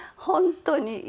本当に。